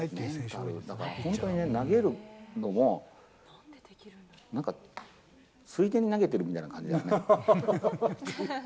本当にね、投げるのも、ついでに投げてるみたいな感じですね。